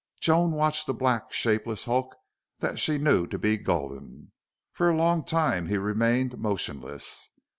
Joan watched the black, shapeless hulk that she knew to be Gulden. For a long time he remained motionless.